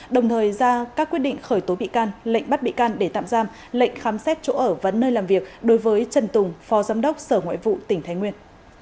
đồng thời ra các quyết định khởi tố bị can lệnh bắt bị can để tạm giam lệnh khám xét chỗ ở và nơi làm việc đối với trần tùng phó giám đốc sở ngoại vụ tỉnh thái nguyên